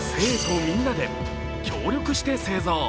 生徒みんなで協力して製造。